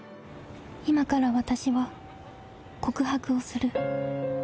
今から私は告白をする。